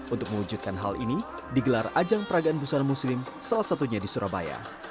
untuk mewujudkan hal ini digelar ajang peragaan busana muslim salah satunya di surabaya